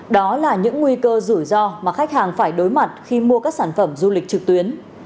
đó là những nguy cơ rủi ro mà khách hàng phải đối mặt khi mua các sản phẩm du lịch trực tuyến